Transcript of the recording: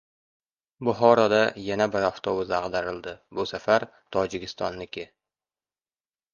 Buxoroda yana bir avtobus ag‘darildi. Bu safar Tojikistonniki